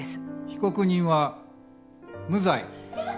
被告人は無罪。